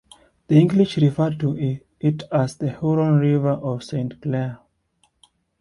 The English referred to it as the Huron River of Saint Clair.